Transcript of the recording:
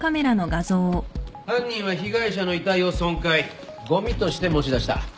犯人は被害者の遺体を損壊ごみとして持ち出した。